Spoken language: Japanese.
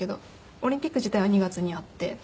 オリンピック自体は２月にあって。